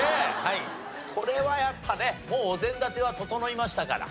これはやっぱねもうお膳立ては整いましたから。